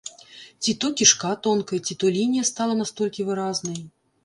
Ці то кішка тонкая, ці то лінія стала настолькі выразнай?